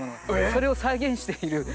それを再現している。